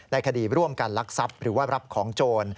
คดีร่วมกันลักทรัพย์หรือว่ารับของโจร